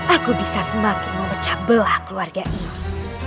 aku bisa semakin memecah belah keluarga ini